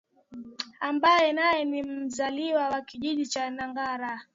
ambaye naye ni mzaliwa wa Kijiji cha Ngarambi